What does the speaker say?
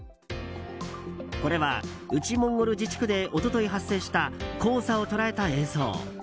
これは、内モンゴル自治区で一昨日発生した黄砂を捉えた映像。